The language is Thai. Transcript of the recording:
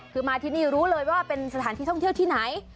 คือมาที่นี่รู้เลยว่าเป็นสถานที่ท่องเที่ยวที่ไหน